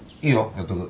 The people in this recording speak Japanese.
やっとく。